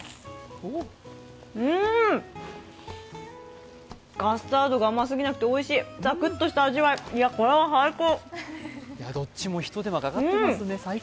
うん、カスタードが甘すぎなくて、おいしい、ザクッとした味わい、これは最高。